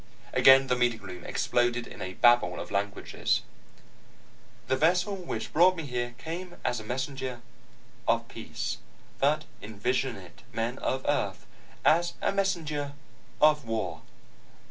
Again, the meeting room exploded in a babble of languages. "The vessel which brought me here came as a messenger of peace. But envision it, men of Earth, as a messenger of war.